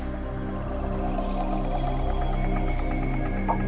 pada tahun seribu sembilan ratus sepuluh dikuburkan oleh pak jokowi dan dikuburkan oleh pak jokowi